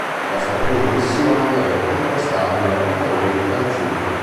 Per la sua prima missione deve contrastare un rapitore di fanciulle.